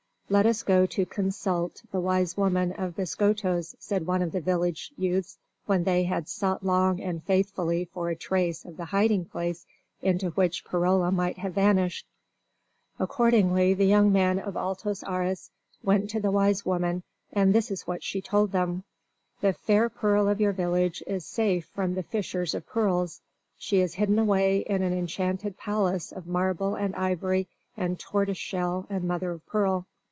"Let us go to consult the wise woman of Biscoitos," said one of the village youths when they had sought long and faithfully for a trace of the hiding place into which Perola might have vanished. Accordingly, the young men of Altos Ares went to the wise woman, and this is what she told them: "The fair pearl of your village is safe from the fishers of pearls. She is hidden away in an enchanted palace of marble and ivory and tortoise shell and mother of pearl."